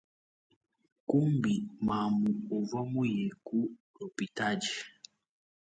Kumbi mamu uvua muye ke lupitadi.